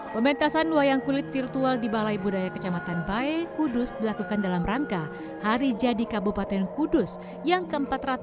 pementasan wayang kulit virtual di balai budaya kecamatan bae kudus dilakukan dalam rangka hari jadi kabupaten kudus yang ke empat ratus dua puluh